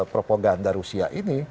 propaganda rusia ini